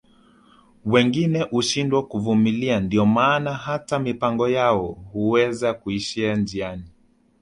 Wengi hushindwa kuvumilia ndio maana hata mipango yao Huweza kuishia njiani